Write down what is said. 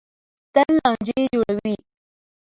تل لانجې جوړوي.